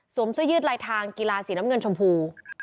สวมสวยยืดไรทางกีฬาสีน้ำเงินชมพู